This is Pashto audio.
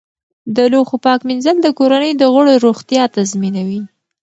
د لوښو پاک مینځل د کورنۍ د غړو روغتیا تضمینوي.